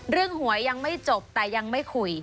เรื่องหวยยังไม่จบแต่ยังไม่คุย